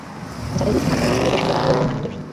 যাদের বুদ্ধি মাঝামাঝি, এদের সঙ্গে কথা বলে কোনো আনন্দ নেই।